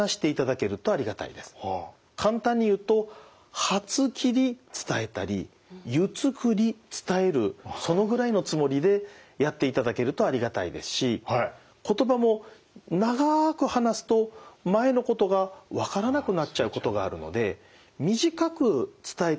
簡単に言うと「はつきり」伝えたり「ゆつくり」伝えるそのぐらいのつもりでやっていただけるとありがたいですし言葉も長く話すと前のことがわからなくなっちゃうことがあるので短く伝えていただけると。